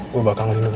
gue bakal ngelihut